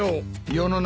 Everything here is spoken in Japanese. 世の中